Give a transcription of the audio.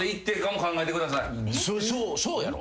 そうやろ。